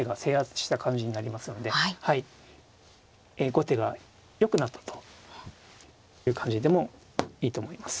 後手がよくなったという感じでもいいと思います。